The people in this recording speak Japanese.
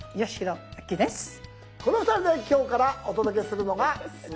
この２人で今日からお届けするのがスマホ講座。